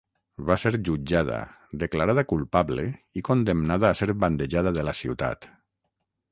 Va ser jutjada, declarada culpable i condemnada a ser bandejada de la ciutat.